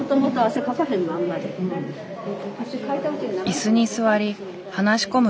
椅子に座り話し込む